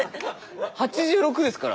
８６ですから！